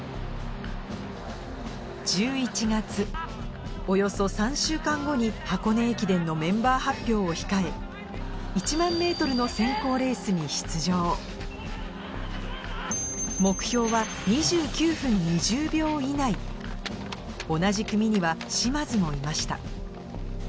１１月およそ３週間後に箱根駅伝のメンバー発表を控え１００００ｍの選考レースに出場以内同じ組には嶋津もいました